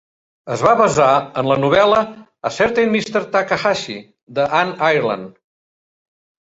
Es va basar en la novel·la "A Certain Mr. Takahashi", d'Ann Ireland.